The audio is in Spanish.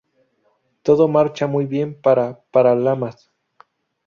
Todo marchaba muy bien para Paralamas.